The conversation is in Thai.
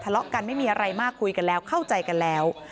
ทะเลาะกันไม่มีอะไรมากคุยกันแล้วเข้าใจกันแล้ว